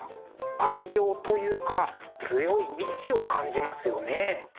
愛情というか強い意志を感じますよね。